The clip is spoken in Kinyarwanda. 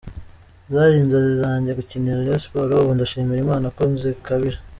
Zari inzozi zanjye gukinira Rayon Sports, ubu ndashimira Imana ko nzikabije.